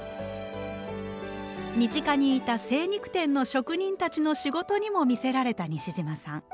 身近にいた精肉店の職人たちの仕事にも魅せられた西島さん。